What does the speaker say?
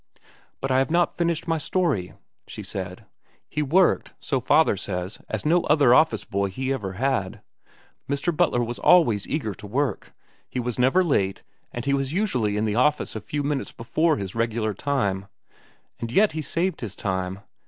"But I have not finished my story," she said. "He worked, so father says, as no other office boy he ever had. Mr. Butler was always eager to work. He never was late, and he was usually at the office a few minutes before his regular time. And yet he saved his time.